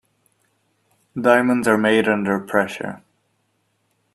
Diamonds are made under pressure.